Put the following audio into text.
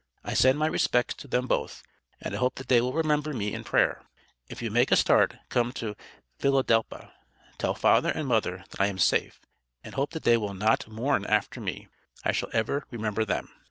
I send my Respects to them Both and I hope that they will remember me in Prayer, if you make a start come to Philidelpa tell father and mother that I am safe and hope that they will not morn after me I shall ever Remember them.